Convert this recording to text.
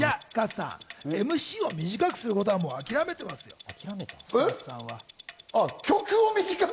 加藤さん、ＭＣを短くすることはもう諦めてますよ。